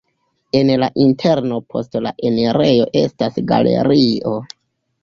En la interno post la enirejo estas galerio.